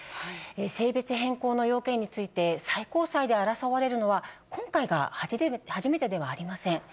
性別変更の要件について、最高裁で争われるのは、今回が初めてではありません。